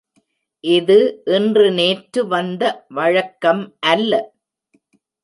இது இன்று நேற்று வந்த வழக்கம் அல்ல.